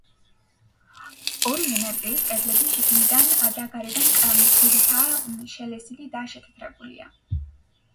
ორივე ნაწილის კედლები შიგნიდან და გარედან კირითაა შელესილი და შეთეთრებულია.